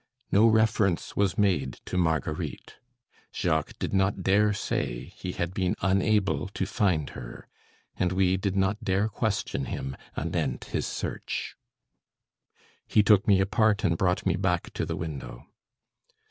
No reference was made to Marguerite. Jacques did not dare say he had been unable to find her, and we did not dare question him anent his search. He took me apart and brought me back to the window.